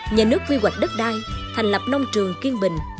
nhà nước quy hoạch đất đai thành lập nông trường kiên bình